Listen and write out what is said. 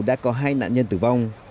đã có hai nạn nhân tử vong